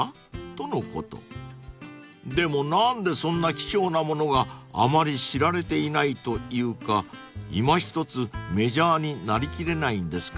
［でも何でそんな貴重なものがあまり知られていないというかいまひとつメジャーになりきれないんですかね］